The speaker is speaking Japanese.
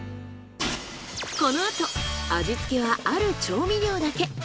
このあと味付けはある調味料だけ。